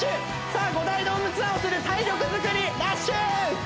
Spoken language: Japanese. さあ５大ドームツアーをする体力づくりダッシュ！